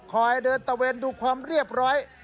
คอยเดินตะเวนดูความเรียบร้อย